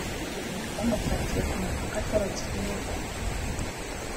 bamufatiye kumpaka atorotse igihugu